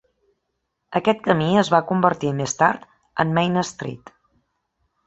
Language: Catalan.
Aquest camí es va convertir més tard en "Main Street".